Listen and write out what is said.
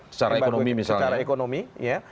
secara ekonomi misalnya